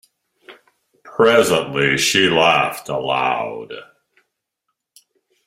Presently she laughed aloud.